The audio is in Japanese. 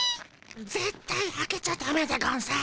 絶対開けちゃダメでゴンス。